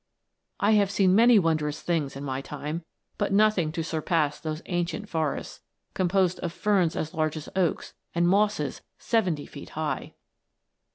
I have seen many wondrous things in my time, but nothing to surpass those ancient forests, composed of ferns as large as oaks, and mosses seventy feet high